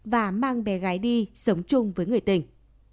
và mang bé gái đi sống chung với người tình